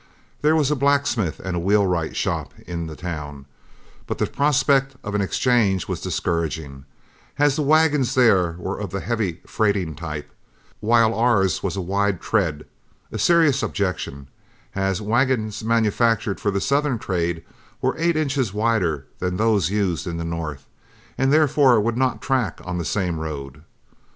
There was a blacksmith and a wheelwright shop in the town, but the prospect of an exchange was discouraging, as the wagons there were of the heavy freighting type, while ours was a wide tread a serious objection, as wagons manufactured for southern trade were eight inches wider than those in use in the north, and therefore would not track on the same road.